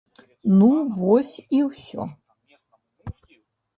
Ну вось і ўсё.